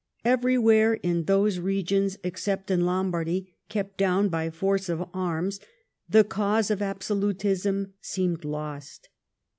Everywhere, in those regions, except in Lombardy kept down by force of arms, the cause of absolutism seemed lost.